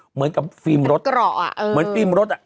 เหมือนกับฟิล์มรถเหมือนฟิล์มรถอ่ะ